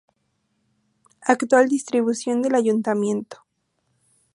Actual distribución del Ayuntamiento